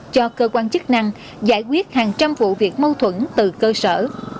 cho cơ quan chức năng giải quyết hàng trăm vụ việc mâu thuẫn từ cơ sở